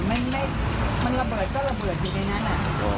ไม่มันระเบิดก็ระเบิดอยู่ในนั้นอ่ะ